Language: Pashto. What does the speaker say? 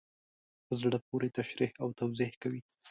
په زړه پوري تشریح او توضیح کوي.